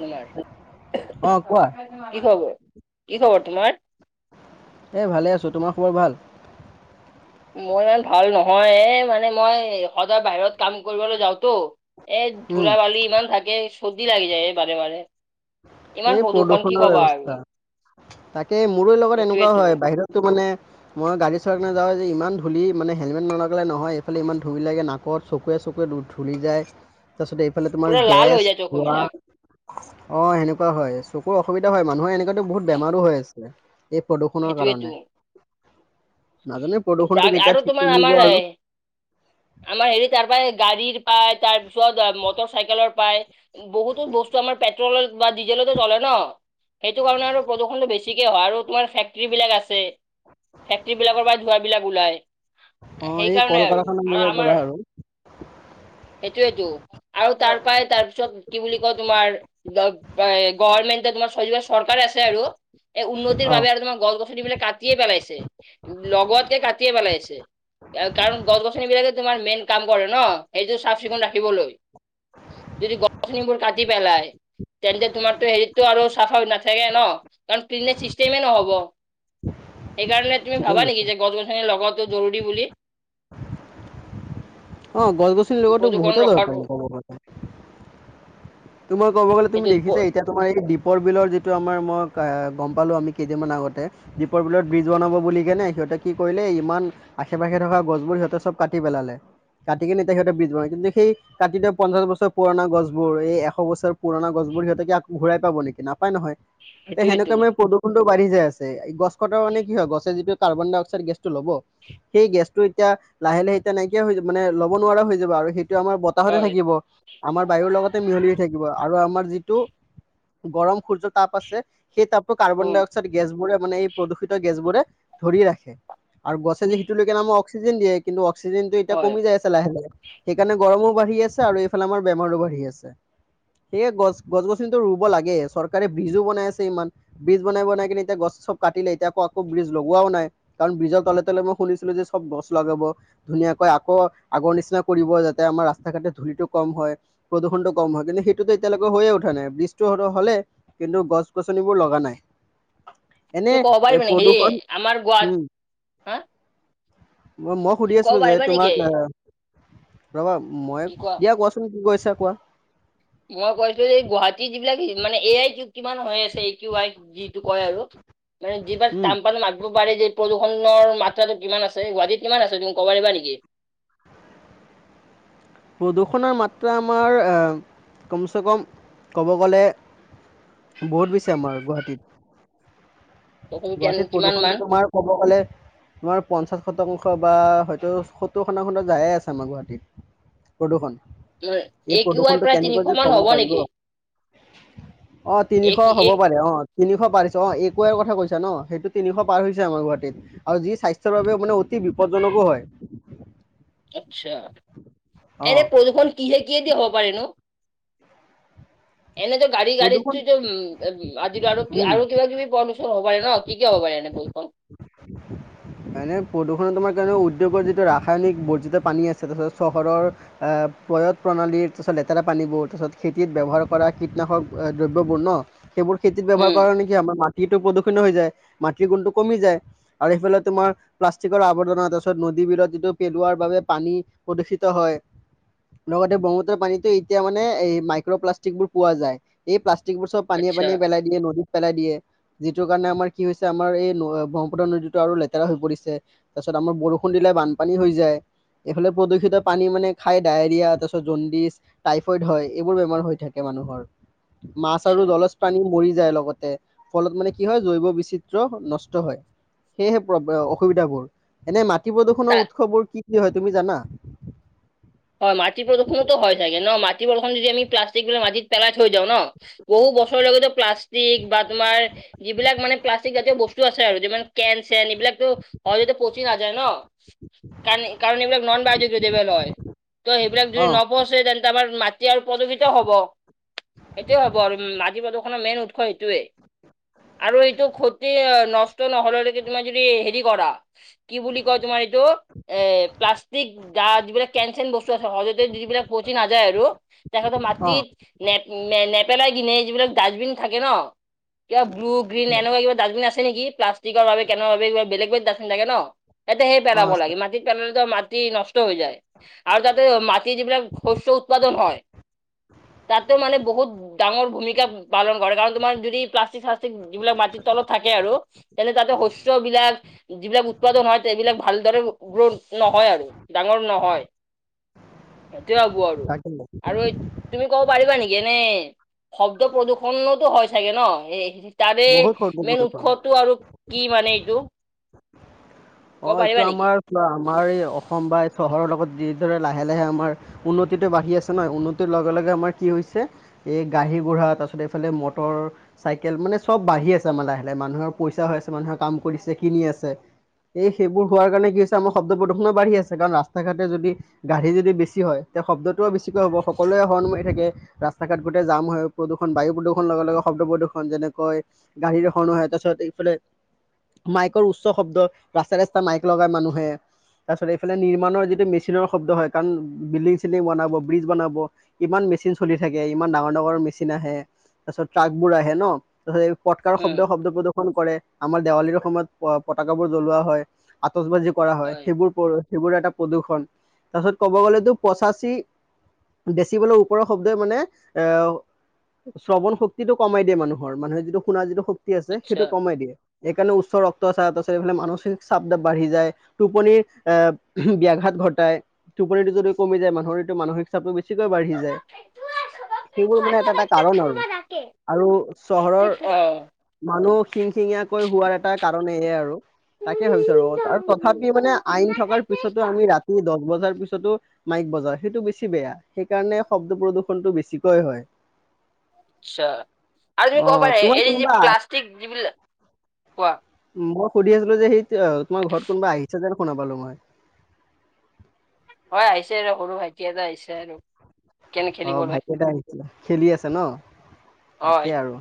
তোমাৰ। অঁ কোৱা কি খবৰ? কি খবৰ তোমাৰ? এই ভালে আছোঁ। তোমাৰ খবৰ ভাল? মোৰ ইমান ভাল নহয়। এই মানে মই সদায় বাহিৰত কাম কৰিবলৈ যাওঁটো। এই উম, ধূলা বালি ইমান থাকে, চৰ্দি লাগি যায় এই বাৰে বাৰে। ইমান এই প্ৰদূষণ কি প্ৰদূৰ্ষনৰ কবা আৰু ব্যৱস্থা তাকে মোৰো লগত এনেকুৱাও সেইটোয়েতো হয় বাহিৰত কিন্ত মে মই গাড়ী চলা কাৰে যাওঁ যে ইমান ধূল মানে হেলমেট নলগালে নহয়ে এইফালে ইমান ধুলি লাগে নাক কত চকুৱে চকুৱে ধূলি যায়। তাৰপিছ এইফালে তোমাৰ পুৰা লাল হৈ গেছ, যায় চকু ধোৱা বিলাক। অ' হেনেকুৱা হয় চকুৰ অসুবিধা হয়। মানুহে এনেকুৱাতো বহুত বেমাৰও হৈ আছে। এই প্ৰদূষণৰ কাৰণে। নাজানো প্ৰদূষণটো আৰু কেতিয়া আৰু ঠিক তোমাৰ কৰিব আমাৰ আৰু এই আমাৰ হেৰি তাৰ পৰা গাড়ীৰ পায়, তাৰ পিছত মটৰচাইকেলৰ পায়। বহুতো বস্তু আমাৰ পেট্ৰলৰ বা ডিজেলতে চলে ন? সেইটো কাৰণে আৰু প্ৰদূষণটো বেছিকৈ হয়। আৰু তোমাৰ ফেক্টৰী বিলাক আছে। ফেক্টৰি বিলাকৰ পৰা ধোৱা বিলাক ওলাই, অঁ এই কল সেইকাৰণে আৰু। কাৰখানাবোৰৰ আৰু পৰা আমাৰ আৰু সেইটোৱেটো। আৰু তাৰ পৰাই তাৰপিছত কি বুলি কয় তোমাৰ গভ এই গভাৰমেণ্ট তোমাৰ চজ চৰকাৰে আছে আৰু এই উন্নতিৰ অঁ বাবে আৰু তোমাৰ গছ গছনি বিলাক কাটিয়ে পেলাইছে। লগোৱাত কে কাটিয়ে পেলাইছে। কাৰণ গছ গছন বিলাকে তোমাৰ মেইন কাম কৰে ন? সেইটো চাফ চিকুণ ৰাখিবলৈ। যদি গছ-গছনিবোৰ কাটি পেলাই তেন্তে তোমাৰ হেৰিটো আৰু চাফা নাথাকে ন? কাৰণ ক্লিনেজ চিষ্টেমেই নহ'ব। সেইকাৰণে তুমি ঠিকেই ভাবা নেকি যে, গছ গছনি লগোৱাটো জৰুৰী বুলি? অ' গছ গছনি লগোৱাটো প্ৰদূষণ বহুতে ৰখাৰ দৰকাৰি কব গ'লে। তোমাৰ কব গ'লে তুমি সেইটো দেখিছাই এতিয়া তোমাৰ এই দ্বীপৰ বিলৰ যিটো আমাৰ মই কা গম পালোঁ আমি কেইদিনমান আগতে দীপৰ বিলত ব্ৰ্ৰীজ বনাব বুলিকেনে। সিহঁতে কি কৰিলে ইমান আশে পাশে থকা গছবোৰ সিহঁতে চব কাটি পেলালে। কাটি কেনে সিহঁতে ব্ৰিজ বনাই। কিন্তু সেই কাটি থোৱা পঞ্চাশ বছৰ পুৰণা গছবোৰ এই এশ এশ বছৰ পুৰনা গছবোৰ সিহঁতে কি আকৌ ঘূৰাই পাব নেকি? নাপায় নহয়। তে সেইটোৱেটো সেনেকৈ মানে প্ৰদুষ ণটো বাঢ়ি যায় আছে। এই গছ কটা মানে কি হয়? গছে যিটো কাৰ্বন ডাই অক্সাইড গেছটো ল'ব সেই গেছটো এতিয়া লাহে লাহে এতিয়া নাইকিয়া হৈ যাব। মানে ল'ব নোৱাৰা হৈ যাব। আৰু সেইটো আমাৰ বত বতাহতে হয়, থাকিব। আমাৰ বায়ুৰ লগতে মিহলি থাকিব। আৰু আমাৰ যিটো গৰম সূৰ্যৰ তাপ আছে সেই তাপটো উম, কাৰ্বন-ডাই-অক্সা পিছত গেছবোৰে মানে, এই প্ৰদূষিত গেছবোৰে ধৰি ৰাখে। আৰু গছে যিটো লৈকে আক্সিজেন দিয়ে। কিন্তু অক্সিজেনটো এতিয়া হয়। কমি যাই আছে। লাহে লাহে। সেইকাৰণে গৰমও বাঢ়ি আছে আৰু এইফালে আমাৰ বেমাৰও বাঢ়ি আছে। সেয়ে গছ গছ গছনিতো ৰুব লাগে। চৰকাৰে ব্ৰিজও বনাই আছে ইমান। ব্ৰিজ বনাই বনাই কিনে এতিয়া গছ চব কাটিলে। এতিয়া আকৌ আকৌ বীজ লগোৱাও নাই। কাৰণ, ব্ৰিজৰ তলে তলে মই শুনিছিলো যে চব গছ লগাব। ধুনীয়াকৈ আকৌ আগৰ নিচিনা কৰিব যাতে আমাৰ ৰাস্তা ঘাটে ধূলিটো কম হয়, প্ৰদূষণটো কম হয়, কিন্তু সেইটোতো এতিয়ালৈকে হৈয়ে উঠা নাই ব্ৰীজটো হ'লেই, কিন্তু গছ গছনিবোৰ লগা নাই। এনে এ [unintelligible] প্ৰদূষণ আমাৰ গুৱা উম মই সুধি আছিলোঁ যে তোমাক, ৰ'বা মই দিয়া কোৱা চো কি কৈ আছা কোৱা! মই কৈছিলোঁ যে এই গুৱাহাটীৰ যিবিলাক মানে এ আই কিমান হৈ আছে এ কি আই যিটো কয় আৰু। মানে যিবাৰ উম [unintelligible] মাতব পাৰে যে প্ৰদূষণৰ মাত্ৰাটো কিমান আছে। গুৱাহাটীত কিমান আছে তুযি ক'ব পাৰিবা নেকি? প্ৰদূষণৰ মাত্ৰা আমাৰ এ, কমচে কম ক'ব গ'লে বহুত বেছি আমাৰ প্ৰদূষণ গুৱাহাটীত, কেন- গুৱাহাটীত কিমান মান প্ৰদূৰ্ষণটো তোমাৰ ক'ব গলে তোমাৰ পঞ্চাশ শতাংশ, বা হয়তো সত্তৰ শতাংশটো যায়ে আছে আমাৰ গুৱাহাটীত। প্ৰদূৰ্ষণ, এই এ কিউ আই প্ৰদূৰ্ষণটো প্ৰায় তিনিশ কেনেকৈ যে মান কমাব হ'ব পাৰিব! নেকি? অ', তিনিশ এক হ'ব এক পাৰে অ'। তিনিশ পাৰিছে অ', এক ৱেৰ কথা কৈছা ন? সেইটো তিনিশ পাৰ হৈছে আমাৰ গুৱাহাটীত। আৰু যি স্বাস্থ্যৰ বাবে মানে অতি বিপদজনকো হয়। আচ্ছা। অ এনে প্ৰদূষণ কিহে, কিহে দি হ'ব পাৰে নো? এনেইটো গাড়ী, গাড়ী প্ৰদূষণ টো-টো উম, আজিৰ আৰু, উম আৰু কিবা কিবি প়ৰ হ'ব পাৰে ন? কি, কি হব পাৰে এনে প্ৰদূষণ? [inaudible] মানে প্ৰদূষণত তোমাৰ কাৰণে উদ্যোগৰ যিটো ৰাসায়নিক বৰ্জিত পানী আছে, তাৰপিছত চহৰৰ প্ৰয়ত প্ৰণালীৰ তাৰপিছত লেতেৰা পানীবোৰ, তাৰপিছত খেতিত ব্যৱহাৰ কৰা কীটনাশক দ্ৰব্যবোৰ ন! সেইবোৰ খেতিত ব্যৱহাৰ উম, কৰাৰ নেকি আমাৰ মাটিটো প্ৰদূষিত হৈ যায়, মাটিৰ গুণটো কমি যায়। আৰু সেইফালে তোমাৰ প্লাষ্টিকৰ আৱৰ্জনা, তাৰপিছত নদীবিলত যিটো পেলোৱাৰ বাবে পানী প্ৰদূষিত হয় লগতে ব্ৰহ্মপুত্ৰ পানীতো এতিয়া মানে এই মাইক্ৰপ্লাষ্টিকবোৰ পোৱা যায়। এই প্লষ্টিকবোৰ চব পানীয়ে, আচ্ছা, পানীয়ে পেলাই দিয়ে নদীত পেলাই দিয়ে, যিটোৰ কাৰণে আমাৰ কি হৈছে আমাৰ এই নৈ নদীতো আৰু লেতেৰা হৈ পৰিছে, তাৰপিছত আমাৰ বৰষুণ দিলে বানপানী হৈ যায়। এইফালে প্ৰদূষিত পানী মানে খাই ডায়েৰিয়া তাৰপিছত জণ্ডিচ টাইফইড হয়, এইবোৰ বেমাৰ হৈ থাকে মানুহৰ, মাছ আচ্ছা। আৰু জলজ পানী মৰি যায় লগতে, ফলত মানে কি হয়, জৈৱ বিচিত্ৰ নষ্ট হয়। সেয়েহে অসুবিধাবোৰ। এনে মাটি তা প্ৰদূৰষণৰ উৎসবোৰ কি, কি হয় তুমি জানা? হয়, মাটি প্ৰদূ্ষণোতো হয়, থাগে ন মাটি প্ৰদূষণ যদি আমি প্লাষ্টিকবিলাক মাটিত পেলাই হৈ দিওঁ ন? বহু বছৰৰ লৈকেটো প্লাষ্টিক বা তোমাৰ যিবিলাক মানে প্লাষ্টিক জাতীয় বস্তু আছে আৰু, যিমান কেন-চেন এইবিলাকটো অলৰেডী যতে পচি নাযায় ন, কাৰণ-কাৰণ এইবিলাক নন [unintelligible] বেল হয়। ত' সেইবিলাক যদি অ', নপচে তেন্তে আমাৰ মাটি আৰু প্ৰদূষিত হ'ব। সেইটোয়ে হ'ব আৰু মাটি প্ৰদূষনৰ মেইন উৎস সেইটোৱেই। আৰু এইটো ক্ষতি নষ্ট নহ'লেকে তোমাৰ যদি হেৰি কৰা কি বুলি কয় তোমাৰ এইটো? এ, প্লাষ্টিক দাজ বিলাক কেন-চেন বস্তু আছে, সহজতে যিবিলাক পচি নাযায় আৰু [unintelligible] অ', মাটিত নেপ-নেপেলাই কিনে এই যিবিলাক ডাষ্টবিন থাকে ন, কিবা ব্লু, গ্ৰীণ এনেকুৱা কিবা ডাষ্টবিন আছে কে নেকি? প্লাষ্টিকৰ বাবে, কেনৰ বাবে বেলেগ-বেলেগ ডাষ্টবিন থাকে ন, তাতে সেই পেলাব অ', আছে। লাগে, মাটিত [unintelligible] মাটি নষ্ট হৈ যায়। আৰু তাতে মাটি যিবিলাক শস্য উৎপাদন হয়, তাতো মানে বহুত ডাঙৰ ভূমিকা পালন কৰে, কাৰণ তোমাৰ যদি প্লাষ্টিক-শ্লাষ্টিক যিবিলাক মাটিৰ তলত থাকে আৰু আৰু তেনে তাটো শস্য বিলাক যিবিলাক উৎপাদন হয়, তেবিলাক ভালদৰে গ্ৰ'থ নহয়, আৰু ডাঙৰ নহয়। সেইটোৱে হ'ব আৰু। আৰু [inaudible] তুমি ক'ব পাৰিবা নেকি? এনে শব্দ প্ৰদূষণতো হয়, চাগে ন? এই তাৰে বহুত শব্দ মেইন প্ৰদূষণ উৎসটো আৰু কি মানে এইটো? ক'ব অ', এইটো পাৰিবা নেকি আমাৰ-আমাৰ এই অসম বা চহৰৰ লগত যিদৰে লাহে, লাহে আমাৰ উন্নতিটো বাঢ়ি আছে ন, উন্নতিৰ লগে, লগে আমাৰ কি হৈছে এই গাৰি বঢ়া, তাৰপিছত এইফালে মটৰ চাইকেল মানে চব বাঢ়ি আছে, মানে লাহে, লাহে মানুহৰ পইচা হৈ আছে মানুহে কাম কৰিছে কিনি আছে। এই সেইবোৰ হোৱাৰ কাৰণে কি হৈছে, আমাৰ শব্দবোৰ প্ৰদুষণো বাঢ়ি আছে কাৰণ ৰাস্ত ঘাটে যদি গাড়ী যদি বেছি হয়, তে' শব্দটোও বেছিকৈ হ'ব সকলোৱে হৰ্ণ মাৰি থাকে। ৰাস্তা ঘাট গোটেই জাম হয়, প্ৰদূষণ বায়ু প্ৰদূষণ লগে, লগে শব্দ প্ৰদূষণ যেনেকৈ গাড়ীৰ হৰ্ণ হয়, তাৰপিছত এইফালে মাইকৰ উচ্চ শব্দ। ৰাস্তাই, ৰাস্তাই মাইক লগাই মানুহে। তাৰপিছত এইফালে নিৰ্মাণৰ যিটো মেচিনৰ শব্দ হয়, কাৰণ বিল্ডিং-চিল্ডিং বনাব ব্ৰিজ বনাব। ইমান মেচিন চলি থাকে। ইমান ডাঙৰ, ডাঙৰ মেচিন আহে তাৰপিছত ট্ৰাকবোৰ আহে ন'। তাৰ পটকাৰ উম শব্দ, শব্দ প্ৰদৰ্শন কৰে। আমাৰ দেৱালীৰ সময়ত পতাকাবোৰ জ্বলোৱা হয়। আতচবাজি কৰা হয়, সেইবোৰ কৰে। সেইবোৰ এটা প্ৰদূৰণ। তাৰপিছত ক'ব গ'লেতো পঁচাচী ডেচিবেলৰ ওপৰৰ শব্দই মানে এ শ্ৰৱণ শক্তিটো কমাই দিয়ে মানুহৰ, মানুহে যিটো শুনা যিটো শক্তি আছে, আচ্ছা সেইটো কমাই দিয়ে। এইকাৰণে উচ্চ ৰক্তচাপ মানসিক চাপ তাপ বাঢ়ি যায়, টোপনিৰ আহ, ব্যাঘাত ঘটায়। টোপনিটো যদি কমি যায় মানুহৰ, এইটো মানসিক চাপটো বেছিকৈ বাঢ়ি যায়। সেইবোৰ মানে এটা, এটা কাৰণ আৰু, আৰু চহৰৰ অ মানুহ খিঙ-খিঙীয়াকৈ হোৱাৰ এটা কাৰণ এয়ে আৰু। তাকে ভাবিছোঁ আৰু। তথাপি মানে আইন থকাৰ পিছতো আমি ৰাতি দহ বজাৰ পিছতো মাইক বজাওঁ, সেইটো বেছি বেয়া। সেইকাৰণে শব্দ প্ৰদূ্ষণটো বেছিকৈ হয়। আচ্ছা। আৰু তুমি অ ক'ব পাৰা তোমাৰ এই যে কোনোবা প্লাষ্টষ্টিক যিবিলাক, কোৱা! মই সুধি আছিলোঁ যে সেই তোমাৰ ঘৰত কোনোবা আহিছে যেন শুনা পালোঁ মই? হয়, আহিছে আৰু সৰু ভাইটি এটা আহিছে আৰু। কেনে অ', খেলিবলৈ ভাইটি এটা আহিছে খেলি আছে ন' তাকে হয় আৰু।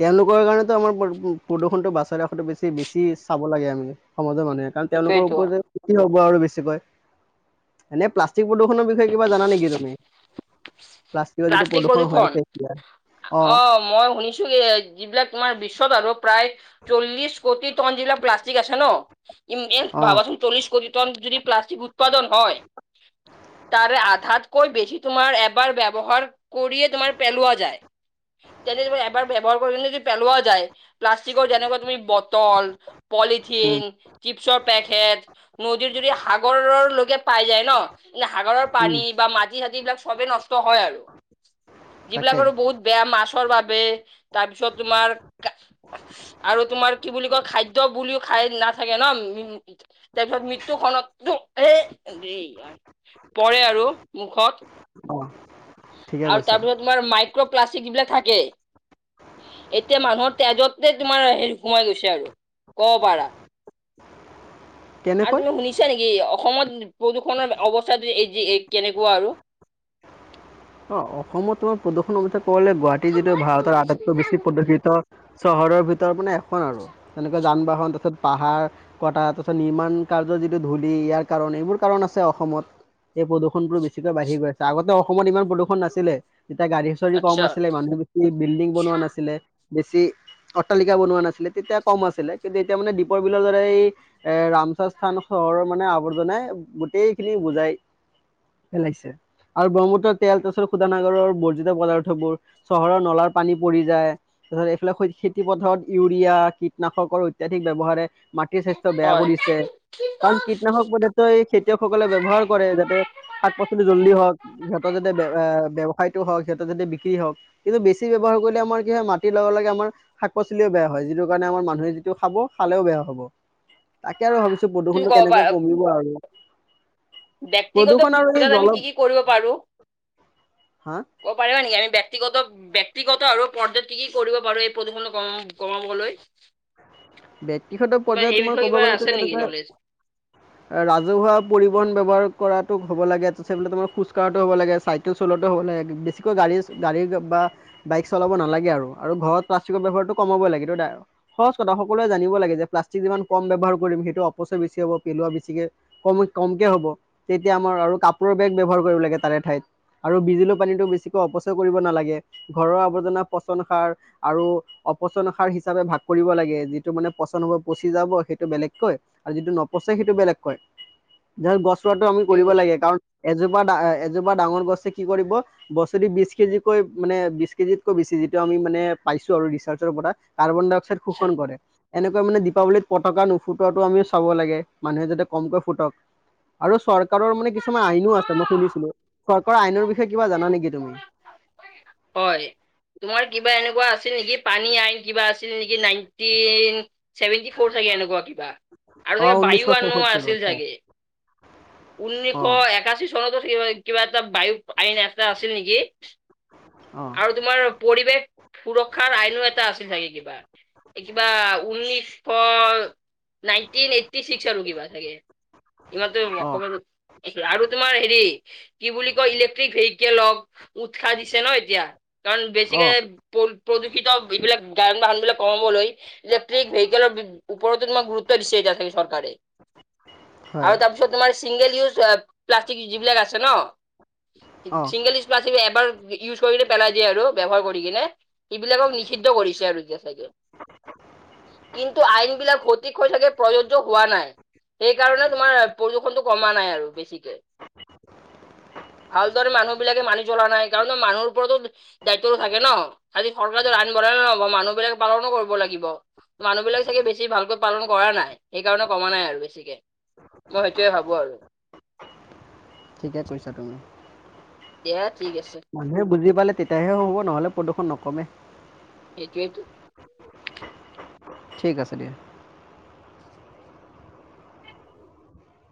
তেওঁলোকৰ কাৰণেতো আমাৰ প্ৰদূষণটো, বাছাই ৰাখাটো বেছি, বেছি চাব লাগে আমি। সমাজৰ মানুহে, কাৰণ তেওঁলোকৰ সেইটোয়েইটো ওপৰতে ক্ষতি হ'ব আৰু বেছিকৈ। এনে প্লাষ্টিক প্ৰদূষণ বিষয়ে কিবা জানা নেকি তুমি? প্লাষ্টিকৰ যিটো প্লাষ্টিক হৈ প্ৰদূষণ? আছে এতিয়া অ', মই শুনিছোঁ যিবিলাক তোমাৰ বিশ্বত আৰু প্ৰায় চল্লিশ কোটি ট'ন যিবিলাক প্লাষ্টিক আছে ন, অ ইণ্ডিয়াত ভাবাচোন চল্লিশ কোটি ট'ন যদি প্লাষ্টিক উৎপাদন হয়! তাৰে আধাতকৈ বেছি তোমাৰ এবাৰ ৱহাৰ কৰিয়ে তোমাৰ পেলোৱা যায়, তেন্তে তুমি এবাৰ ব্যৱহাৰ কৰি পেলোৱা যায়! প্লাষ্টিকৰ যেনেকুৱা তুমি বটল, উম পলিথিন, চিপছৰ পেকেট নদীৰ যদি সাগৰৰলৈকে পাই যায় ন, এ সাগৰৰ উম পানী বা মাটি ছাতি এইবিলাক সবেই নষ্ ত হয় আৰু যিবিলাক তাকে আৰু বহুত বেয়া মাছৰ বাবে, তাৰপিছত তোমাৰ কা আৰু তোমাৰ কি বুলি কয়, খাদ্য বুলিও খাই নাথাকে ন, উম তাৰপিছত মৃত্যুখনত টো এ, দেই পৰে আৰু মুখত। অ' ঠিকে আৰু কৈছা তাৰপিছত তোমাৰ মাইক্ৰ'প্লাষ্টিক যিবিলাক থাকে। এতিয়া মানুহৰ তেজতে তোমাৰ হেৰি সোমাই গৈছে আৰু কব পাৰা। [inaudible] আৰু কেনেকৈ তুমি শুনিছা নেকি অসমত প্ৰদূষণৰ অৱস্থাটো এইযে এই কেনেকুৱা আৰু অ', অসমত তোমাৰ প্ৰদূষণ কথা কৱলে, গুৱাহাটী যিটো ভাৰতৰ আটাইতকৈ বেছি প্ৰদূষিত চহৰৰ ভিতৰত মানে এখন আৰু তেনেকুৱা যান বাহন তাচত পাহাৰ কটা তাৰপিছত, নিৰ্মাণ কাৰ্যৰ যিটো ধূলি ইয়াৰ কাৰণ, এইবোৰ কাৰণ আছে অসমত। এই প্ৰদূষণটো বেছিকৈ বাঢ়ি গৈ আছে, আগতে অসমত ইমান খন নাছিলে তেতিয়া গাড়ী চাৰি কম আচ্ছা আছিলে, মানুহ বেছি বিল্ডিং বনোৱা নাছিলে বেছি অট্টালিকা বনোৱা নাছিলে, তেতিয়া কম আছিলে, কিন্তু এতিয়া মানে দীপৰ বিলৰ দৰে এই এ, ৰামচস্থান চহৰৰ মানে আৱৰ্জনাই গোটেই খিনি বুজাই পেলাইছে, আৰু ব্ৰহ্মপুত্ৰত তেল [unintelligible] শুধানাগৰৰ বৰ্জিত পদাৰ্থবোৰ চহৰৰ নলাৰ পানী পৰি যায়। তাৰ পাছত [unintelligible] খেতিপথাৰত ইউৰিয়া, কীটনাশকৰ অত্যাধিক ব্যৱহাৰে মাট কি, স্বাস্থ্য বেয়া হয় কৰিছে। কাৰণ কীটনাশক পদাৰ্থই খেতিয়কসকলে ব্যৱহাৰ কৰে, যাতে শাক পাচলি জল্দি হওঁক [unintelligible] সিহঁত যাতে বে আ, ব্যৱসায়টো হওঁক, সিহঁতৰ যাতে বিক্ৰী হওঁক। কিন্তু বেছি ব্যৱহাৰ কৰিলে আমাৰ কি হয়, মাটিৰ লগে, লগে আমাৰ শাক-পাচলিও বেয়া হয়, যিটো কাৰণে আমাৰ মানুহে যিটো খাব, খালেও বেয়া হ'ব। তাকে আৰু ভাবিছো তুমি প্ৰদূষণটো ক'ব কেনেকে পাৰা কমিব আৰু ব্যক্তিগত প্ৰদূষণ আৰু এই [unintelligible] আমি জল কি কি কৰিব পাৰো। হা ক'ব পাৰিবা নেকি, আমি ব্যক্তিগত ব্যক্তিগত আৰু পৰ্যত কি, কি কৰিব পাৰো এই প্ৰদূষণ কম কমাবলৈ। ব্যক্তিগত তোমাৰ পৰ্যায়ত সেই তোমাৰ বিষয়ে ক'ব কিবা গ'লেতো আছে নেকি তেনেকৈ ন'লেজ। ৰাজহুৱা পৰিবহন ব্যৱহাৰ কৰাটো হ'ব লাগে, তাৰচত বুলে তোমাৰ খোজ কাঢ়াটো হ'ব লাগে, চাই কেল চলোৱাটো হ'ব লাগে, বেছিকৈ গাড়ী, গাড়ী বা বাইক চলাব নালাগে আৰু, আৰু ঘৰত প্লাষ্টিকৰ ব্যৱহাৰটো কমাবই লাগে, এইটো ডাইৰ সহজ কথা স সকলোৱে জানিব লাগে যে, প্লাষ্টিক যিমান কম ব্যৱহাৰ কৰিম সেইটো অপচয় বেছি হ'ব, পেলোৱা বেছিকে কম কমকে হ'ব, তেতিয়া আমাৰ আৰু কাপোৰৰ বেগ ব্যৱহাৰ কৰিব লাগে তাৰে ঠাইত। আৰু বিজুলীৰ পানীটো বেছিকৈ অপচয় কৰিব নালাগে। ঘৰৰ আৱৰ্জনা পচন সাৰ আৰু অপচন সাৰ হিচাপে ভাগ কৰিব লাগে যি যিটো মানে পচন হ'ব পচি যাব সেইটো বেলেগকৈ আৰু যিটো নপচে সেইটো বেলেগকৈ। ধেৰ গছ ৰোৱাটো আমি ঠিকে কৰিব কৈছে লাগে কাৰণ এজোপা দা এ, এজোপা ডাঙৰ গছে কি কৰিব বছৰি বিশ কেজিকৈ, মানে বিশ কেজিতকৈ বেছি, যিটো আমি মানে পাইছো আৰু ৰিচাৰ্চৰ পৰা। কাৰ্বন ডাই অক্সাইড আচ্ছা। শোষণ কৰে। এনেকৈ মানে দীপাৱলীত পতকা নুফুটোৱাটো আমি চাব লাগে, মানুহে যাতে কমকৈ ফুটক। আৰু চৰকাৰৰ মানে কিছুমান আইনো আছে মই শুনিছিলো, চৰকাৰৰ আইনৰ বিষয়ে কিবা জানা নেকি তুমি? হয়। তোমাৰ কিবা এনেকুৱা আছিল নেকি, পানী আইন কিবা আছিল নেকি নাইনটিন চেভেনটি ফ'ৰ চাগে এনেকুৱা কিবা আৰু অ চাগে ঊনৈছশ বায়ু আনো আছিল চৌসত্তৰ চাগে। [inaudible] আছিল অ নেকি, অ আৰু তোমাৰ পৰিৱেশ সুৰক্ষাৰ আইন এটা আছিল চাগে কিবা। কিবা ঊনিছশ নাইনটিন এইটটি ছিক্স আৰু কিবা চাগে, ইমানো অ আৰু তোমাৰ হেৰি কি বুলি কয় ইলেক্ট্ৰিক ভেহিকেল হওঁক উৎসাহ দিছে ন' এতিয়া। কাৰণ অ বেছিকে প্ৰদূষিত এইবিলাক গান বাহানবিলাক কমাবলৈ। ইলেক্ট্ৰিক ভেহিকেলৰ ওপৰতো তোমাক গুৰুত্ব দিছে এতিয়া চৰকাৰে, হয় আৰু তাৰপিছত [unintelligible] তোমাৰ ছিংগেল ইউজ প্লাষ্টিক যি যিবিলাক আছে ন' অ ছিংগেল [unintelligible] এবাৰ ইউজ কৰি পেলাই দিয়ে আৰু ব্যৱহাৰ কৰি কিনে। সেইবিলাকক নিষিদ্ধ কৰিছে আৰু এতিয়া চাগে। কিন্তু আইন বিলাক সঠিক হৈ থাকে প্ৰযোজ্য হোৱা নাই, সেইকাৰণে তোমাৰ প্ৰদূষণটো কমা নাই আৰু বেছিকে। [inaudible] ভালদৰে মানুহবিলাকে মানি চলা নাই কাৰণ মানুহৰ ওপৰতো দায়িত্বটো থাকে ন' আজি চৰকাৰে আইন বঢ়লেই নহ'ব মানুহবিলাক পালনো কৰিব লাগিব। মানুহবিলাক চাগে বেছি ভালকৈ পালন কৰা নাই, সেইকাৰণে কমা নাই আৰু বেছিকে। মই সেইটয়ে ভাবোঁ আৰু। ঠিকে কৈছা তুমি। দিয়া ঠিক আছে। মানুহে বুজি পালে তেতিয়াহে হ'ব, নহ'লে প্ৰদূষণ নকমে। সেইটোৱেইটো। ঠিক আছে দিয়া।